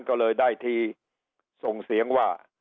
ก็เลยได้ทีส่งเสียงว่า